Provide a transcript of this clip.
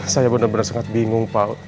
saya benar benar sangat bingung pak